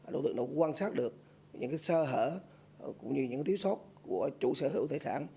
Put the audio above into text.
đối tượng đã quan sát được những sơ hở cũng như những tiếu sót của chủ sở hữu tài sản